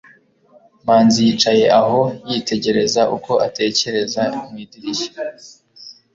manzi yicaye aho, yitegereza uko atekereza mu idirishya